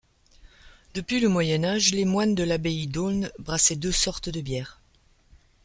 Depuis le Moyen Âge, les moines de l'abbaye d'Aulne brassaient deux sortes de bières.